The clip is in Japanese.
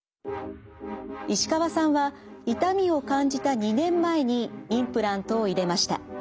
石川さんは痛みを感じた２年前にインプラントを入れました。